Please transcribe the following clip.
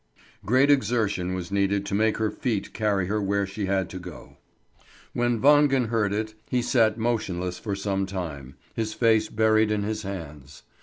Great exertion was needed to make her feet carry her where she had to go. When Wangen heard it, he sat motionless for some time, his face buried in his hands.